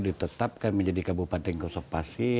ditetapkan menjadi kabupaten kosepasi